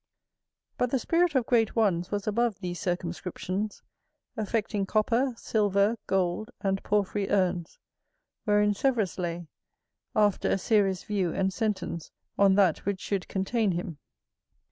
But the spirit of great ones was above these circumscriptions, affecting copper, silver, gold, and porphyry urns, wherein Severus lay, after a serious view and sentence on that which should contain him.